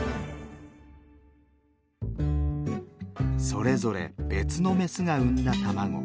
それぞれ別のメスが産んだ卵。